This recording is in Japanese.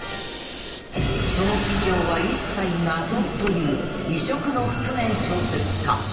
［その素性は一切謎という異色の覆面小説家］